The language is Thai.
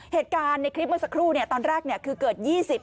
เหตุการณ์ในคลิปเมื่อสักครู่ตอนแรกคือเกิด๒๐